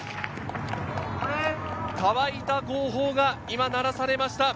乾いた号砲が鳴らされました。